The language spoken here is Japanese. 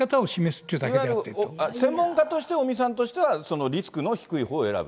専門家として、尾身さんとしてはリスクの低いほうを選ぶ。